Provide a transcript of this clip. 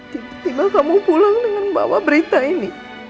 tiba tiba kamu pulang dengan membawa berita ini